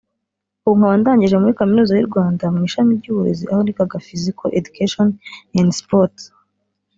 ubu nkaba ndangije muri kaminuza y’u Rwanda mu ishami ry’uburezi aho nigaga Physical Education and Sports